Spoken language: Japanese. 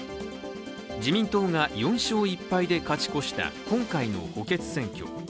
自民党が４勝１敗で勝ち越した今回の補欠選挙。